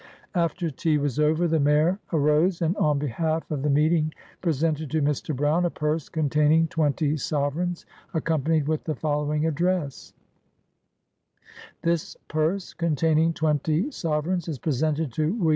After tea was over, the Mayor arose, and, on behalf of the meeting, presented to Mr. Brown a purse containing twenty sovereigns, accompanied with the following Address: — "This purse, containing twen ty sovereigns, is presented to Wm.